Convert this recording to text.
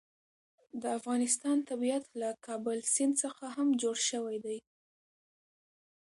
د افغانستان طبیعت له کابل سیند څخه هم جوړ شوی دی.